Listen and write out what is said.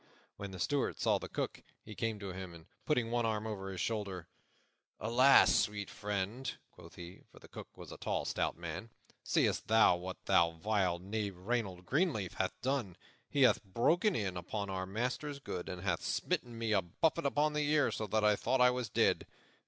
When the Steward saw the Cook, he came to him, and, putting one arm over his shoulder, "Alas, sweet friend!" quoth he for the Cook was a tall, stout man "seest thou what that vile knave Reynold Greenleaf hath done? He hath broken in upon our master's goods, and hath smitten me a buffet upon the ear, so that I thought I was dead.